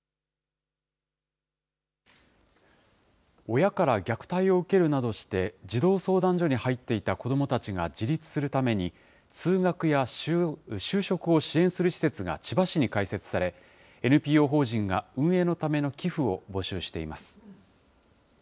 親から虐待を受けるなどして、児童相談所に入っていた子どもたちが自立するために、通学や就職を支援する施設が千葉市に開設され、ＮＰＯ法人が運営のための寄付を募集しています。